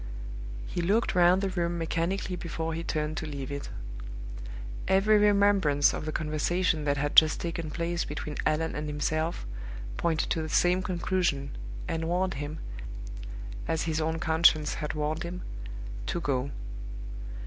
He looked round the room mechanically before he turned to leave it. Every remembrance of the conversation that had just taken place between Allan and himself pointed to the same conclusion, and warned him, as his own conscience had warned him, to go.